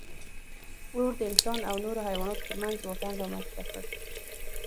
اور د انسان او نورو حیواناتو تر منځ واټن رامنځ ته کړ.